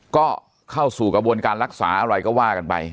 ก็เข้าสู่กระบวนการรักษาอะไรก็ว่ากันไป